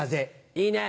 いいねぇ。